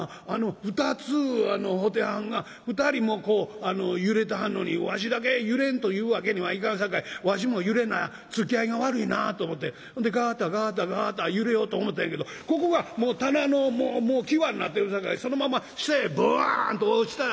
『２つ布袋はんが２人もこう揺れてはんのにわしだけ揺れんというわけにはいかんさかいわしも揺れなつきあいが悪いな』と思うてガタガタガタ揺れようと思うたんやけどここがもう棚の際になってるさかいそのまま下へボンと落ちた。